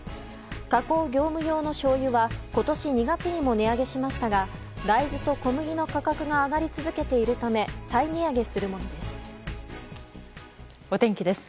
加工・業務用のしょうゆは今年２月にも値上げしましたが大豆と小麦の価格が上がり続けているためお天気です。